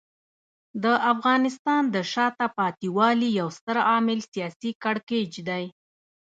د افغانستان د شاته پاتې والي یو ستر عامل سیاسي کړکېچ دی.